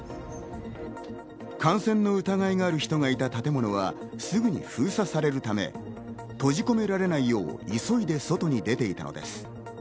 感染の疑いがある人がいた建物はすぐに封鎖されるため、閉じ込められないよう急いで外に出ていたのです。